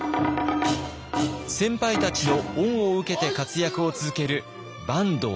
先輩たちの恩を受けて活躍を続ける坂東